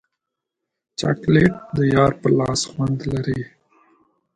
چاکلېټ د یار په لاس خوند لري.